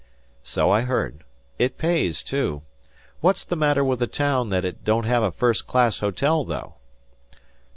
"So I heard. It pays, too. What's the matter with the town that it don't have a first class hotel, though?"